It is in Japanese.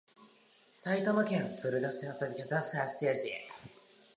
埼玉県鶴ヶ島市